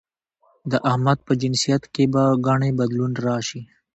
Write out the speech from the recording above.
د احمد په جنسيت کې به ګنې بدلون راشي؟